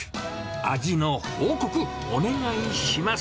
味の報告、お願いします。